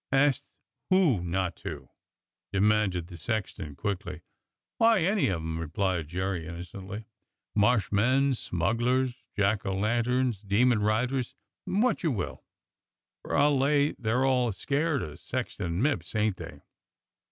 "Asked who not to?" demanded the sexton quickly. "Why, any of 'em," replied Jerk innocently: "Marsh men, smugglers, jack o' lanterns, demon riders, wot you will; for I'll lay they're all a scared of Sexton Mipps, ain't they.